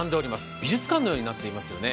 美術館のようになっていますよね。